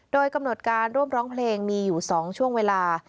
โดยกำหนดการร่วมร้องเพลงมีอยู่๒ช่วงเวลา